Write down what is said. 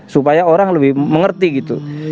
supaya orang lebih mengerti gitu